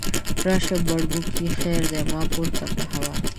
راشه بړبوکۍ خیر دی، ما پورته کړه هوا ته